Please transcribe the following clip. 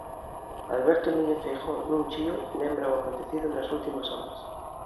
Alberto Núñez Feijóo, nun chío, lembra o acontecido nas últimas horas.